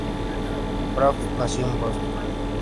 Braff nació en Boston.